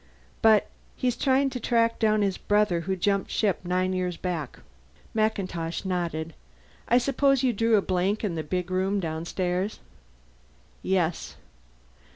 But he's trying to track down his brother, who jumped ship nine years back." MacIntosh nodded. "I suppose you drew a blank in the big room downstairs?" "Yes."